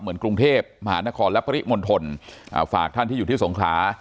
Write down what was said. เหมือนกรุงเทพมหานครและปริมณฑลฝากท่านที่อยู่ที่สงขลา